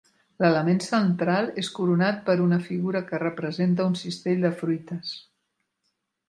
L'element central és coronat per una figura que representa un cistell de fruites.